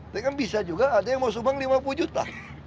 tapi kan bisa juga ada yang mau subang lima puluh juta